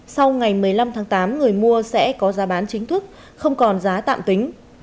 sau ngày một mươi năm tháng tám người mua sẽ có giá bán chính thức không còn giá tạm tính